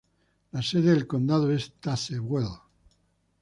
La sede del condado es Tazewell.